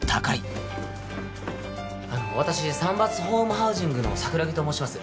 私サンバスホームハウジングの桜木と申します。